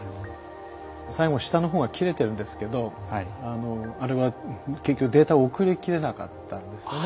最後下の方が切れてるんですけどあれは結局データを送りきれなかったんですね。